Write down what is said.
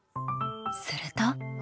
すると。